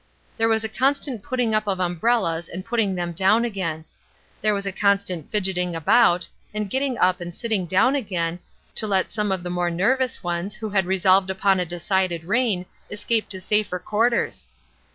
There was a constant putting up of umbrellas and putting them down again. There was a constant fidgeting about, and getting up and sitting down again, to let some of the more nervous ones who had resolved upon a decided rain escape to safer quarters.